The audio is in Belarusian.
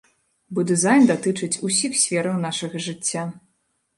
Бо дызайн датычыць усіх сфераў нашага жыцця.